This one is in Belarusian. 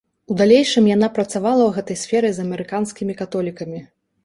У далейшым яна працавала ў гэтай сферы з амерыканскімі католікамі.